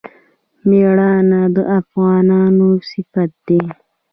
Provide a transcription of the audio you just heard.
میړانه د افغانانو صفت دی.